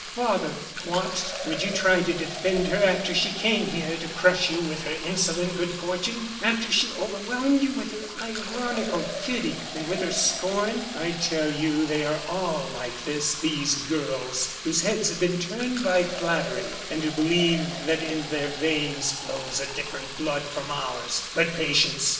"Father!" "What! would you try to defend her after she came here to crush you with her insolent good fortune after she overwhelmed you with her ironical pity and with her scorn? I tell you they are all like this these girls, whose heads have been turned by flattery, and who believe that in their veins flows a different blood from ours. But patience!